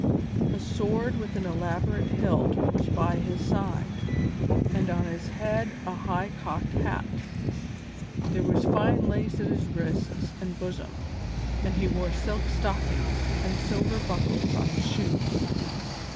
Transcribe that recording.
A sword with an elaborate hilt was by his side, and on his head a high cocked hat. There was fine lace at his wrists and bosom, and he wore silk stockings, and silver buckles on his shoes.